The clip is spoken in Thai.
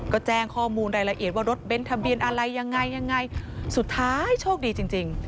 ก็แจ้งข้อมูลรายละเอียดว่ารถเบ้นทะเบียนอะไรยังไงยังไงสุดท้ายโชคดีจริงจริง